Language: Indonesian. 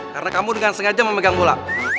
karena kamu dengan sengaja memegang bola